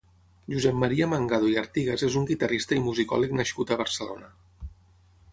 Josep Maria Mangado i Artigas és un guitarrista i musicòleg nascut a Barcelona.